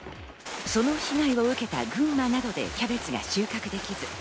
その被害を受けた群馬などでキャベツが収穫できず。